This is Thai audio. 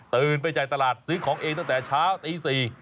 ตื่นไปใจตลาดซื้อของเองตั้งแต่เช้าตี๔